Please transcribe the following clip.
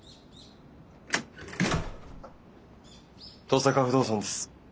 登坂不動産です。